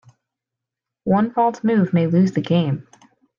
One false move may lose the game.